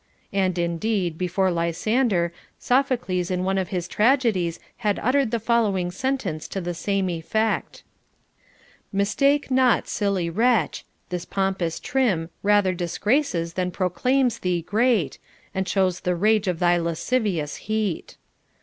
And indeed, before Lysander, Sophocles in one of his tragedies had uttered the following sentence to the same effect: Mistake not, silly wretch ; this pompous trim Rather disgraces than proclaims thee great, And shows the rage of thy lascivious heat.